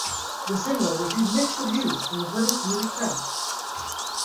The single received mixed reviews from the British music press.